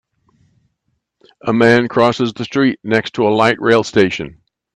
A man crosses the street next to a light rail station.